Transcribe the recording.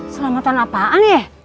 selamatan apaan ya